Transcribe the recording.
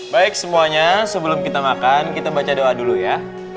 baik semuanya sebelum kita makan kita baca doa dulu ya